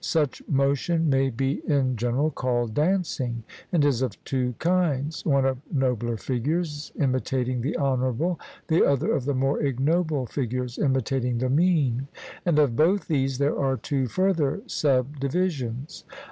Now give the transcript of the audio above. Such motion may be in general called dancing, and is of two kinds: one of nobler figures, imitating the honourable, the other of the more ignoble figures, imitating the mean; and of both these there are two further subdivisions.